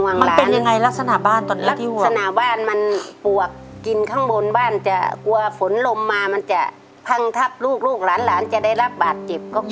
มันเป็นยังไงลักษณะบ้านตอนเนี้ยที่หัวลักษณะบ้านมันปวกกินข้างบนบ้านจะกลัวฝนลมมามันจะพังทับลูกลูกหลานหลานจะได้รับบาดเจ็บก็กลัวอย่างงั้น